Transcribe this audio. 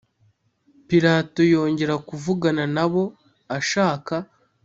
Pilato yongera kuvugana na bo ashaka